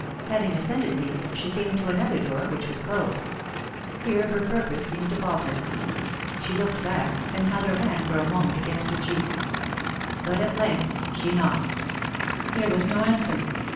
Having ascended these, she came to another door, which was closed. Here her purpose seemed to falter; she looked back, and held her hand for a moment against her cheek. But at length she knocked. There was no answer.